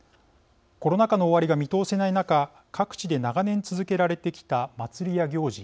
コロナ禍の終わりが見通せない中各地で長年続けられてきた祭りや行事